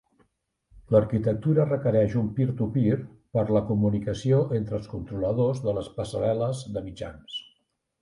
L'arquitectura requereix un "Peer-to-Peer" per a la comunicació entre els controladors de les passarel·les de mitjans.